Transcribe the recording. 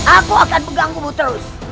aku akan mengganggu mu terus